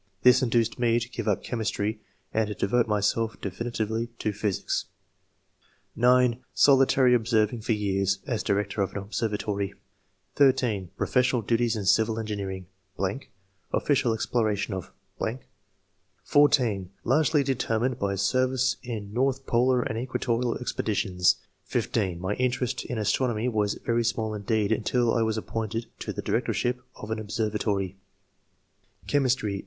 This induced me to give up chemistry, and to devote myself definitively to physica (9) Solitary observing for years [as director of an observatory]. (13) Professional duties and civil engineering ....; oflScial exploration of .... (14) Largely deter mined by service in north polar and equatorial expeditions. (15) My interest in astronomy was very small indeed, until I was appointed [to the directorship of an observatory]. Chemistry.